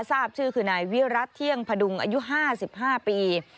ทราบชื่อคือนายวิรัติเที่ยงพดุงอายุ๕๕ปี